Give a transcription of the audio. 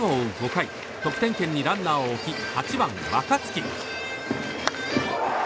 ５回得点圏にランナーを置き８番、若月。